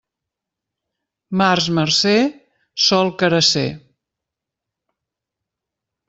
Març marcer, sol carasser.